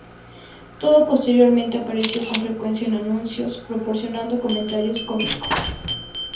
Todd posteriormente apareció con frecuencia en anuncios, proporcionando comentarios cómicos.